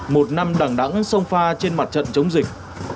một năm đàng đẳng sông pha trên mặt trận chống dịch